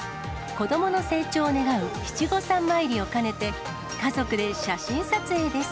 子どもの成長を願う七五三参りを兼ねて、家族で写真撮影です。